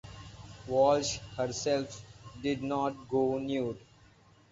Walsh herself did not go nude.